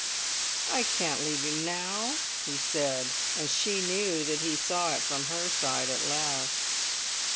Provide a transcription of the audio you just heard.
"I can't leave you now," he said; and she knew that he saw it from her side at last.